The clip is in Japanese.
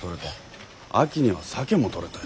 秋にはサケも取れたよ。